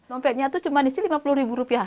dompetnya itu cuma di sini lima puluh ribu rupiah